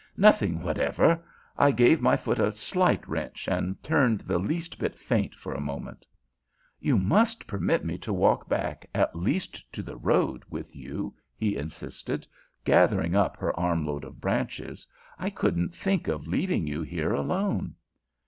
"Nothing whatever. I gave my foot a slight wrench, and turned the least bit faint for a moment." "You must permit me to walk back, at least to the road, with you," he insisted, gathering up her armload of branches. "I couldn't think of leaving you here alone."